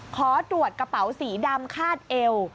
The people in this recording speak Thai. ขอตรวจกระเป๋าสีดำคาดเอว